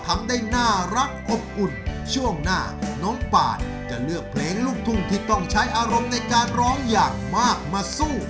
ทำได้น่ารักอบอุ่นช่วงหน้าน้องปานจะเลือกเพลงลูกทุ่งที่ต้องใช้อารมณ์ในการร้องอย่างมากมาสู้